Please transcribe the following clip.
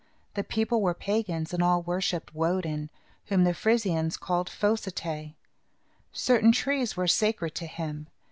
The people were pagans and all worshipped Woden, whom the Frisians called Fos i te'. Certain trees were sacred to him.